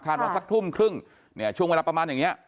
ว่าสักทุ่มครึ่งเนี่ยช่วงเวลาประมาณอย่างนี้